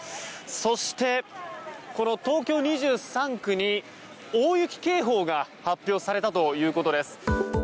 そして、この東京２３区に大雪警報が発表されたということです。